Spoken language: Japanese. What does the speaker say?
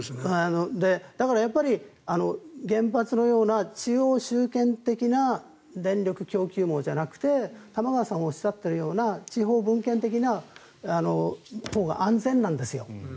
だから、原発のような中央集権的な電力供給網じゃなくて玉川さんがおっしゃったような地方分権的なほうが安全なんですよ。